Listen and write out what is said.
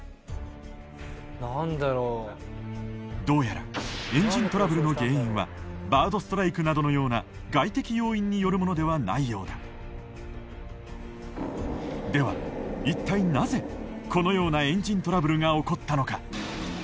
どうやらエンジントラブルの原因はバードストライクなどのような外的要因によるものではないようだでは一体なぜこのようなエンジントラブルが起こったのか？